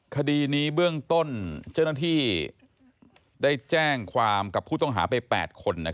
คดีนี้เบื้องต้นเจ้าหน้าที่ได้แจ้งความกับผู้ต้องหาไป๘คน